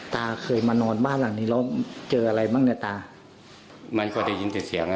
ตาเคยมานอนบ้านหลังนี้แล้วเจออะไรบ้างเนี่ยตามันก็ได้ยินแต่เสียง